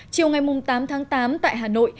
chiều ngày tám tháng tám tại hà nội